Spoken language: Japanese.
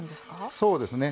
そうですね。